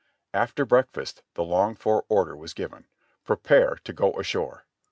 After breakfast the longed for order was given : "Prepare to go ashore